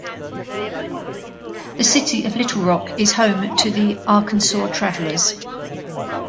The city of Little Rock is home to the Arkansas Travelers.